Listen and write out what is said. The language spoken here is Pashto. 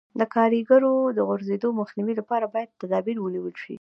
د کاریګرو د غورځېدو مخنیوي لپاره باید تدابیر ونیول شي.